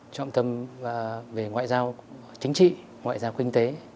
trọng tâm về ngoại giao chính trị ngoại giao kinh tế